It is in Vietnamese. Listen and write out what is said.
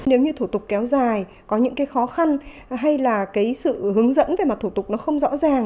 nếu như thủ tục kéo dài có những khó khăn hay là sự hướng dẫn về mặt thủ tục không rõ ràng